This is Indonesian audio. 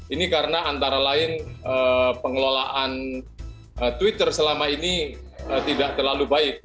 ini karena antara lain pengelolaan twitter selama ini tidak terlalu baik